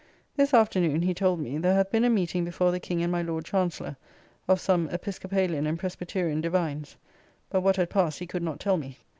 This afternoon (he told me) there hath been a meeting before the King and my Lord Chancellor, of some Episcopalian and Presbyterian Divines; but what had passed he could not tell me.